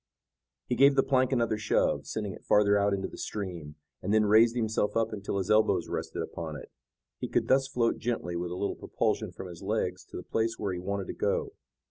He gave the plank another shove, sending it farther out into the stream, and then raised himself up until his elbows rested upon it. He could thus float gently with a little propulsion from his legs to the place where he wanted to go.